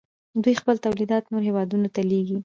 دوی خپل تولیدات نورو هیوادونو ته لیږي.